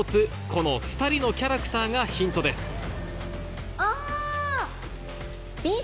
この２人のキャラクターがヒントですあ！